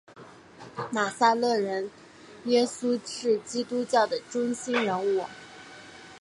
拿撒勒人耶稣是基督教的中心人物。